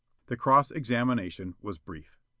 The cross examination was brief.